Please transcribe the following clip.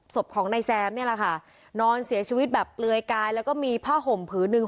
ศพของนายแซมเนี่ยแหละค่ะนอนเสียชีวิตแบบเปลือยกายแล้วก็มีผ้าห่มผืนหนึ่ง